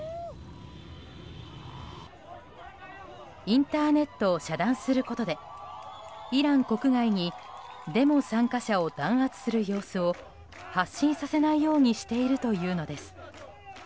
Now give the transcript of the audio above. インターネットを遮断することでイラン国外にデモ参加者を弾圧する様子を発信させないようにしているというのです。